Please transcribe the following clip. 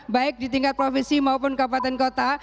baik di tingkat provinsi maupun kabupaten kota